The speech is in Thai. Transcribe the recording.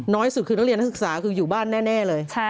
สุดคือนักเรียนนักศึกษาคืออยู่บ้านแน่เลย